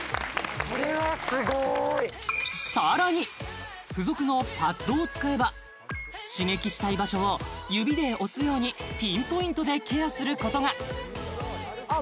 さらに付属のパッドを使えば刺激したい場所を指で押すようにピンポイントでケアすることがあっ